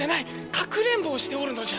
かくれんぼをしておるのじゃ。